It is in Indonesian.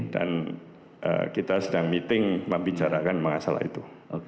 dan kita sedang meeting membicarakan mengasal itu